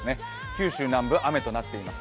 九州南部、雨となっています。